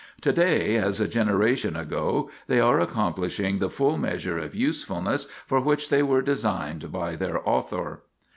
To day, as a generation ago, they are accomplishing the full measure of usefulness for which they were designed by their author.